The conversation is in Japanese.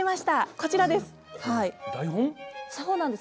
こちらです。